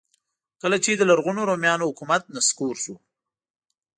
کله چې د لرغونو رومیانو حکومت نسکور شو.